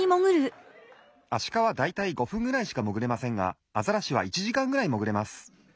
アシカはだいたい５ふんぐらいしかもぐれませんがアザラシは１じかんぐらいもぐれます。